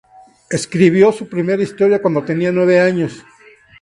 Escribió su primera historia cuando tenía nueve años.